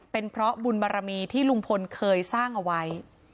เป็นเพราะบุญบารมีที่ลุงพลเคยสร้างเอาไว้